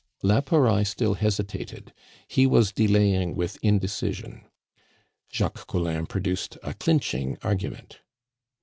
La Pouraille still hesitated; he was delaying with indecision. Jacques Collin produced a clinching argument.